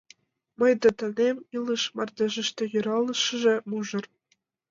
Мый да таҥем — илыш мардежыште юарлыше мужыр.